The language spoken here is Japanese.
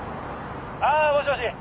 あもしもし。